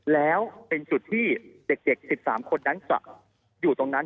แล้วเป็นจุดที่เด็ก๑๓คนนั้นจะอยู่ตรงนั้น